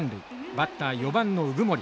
バッター４番の鵜久森。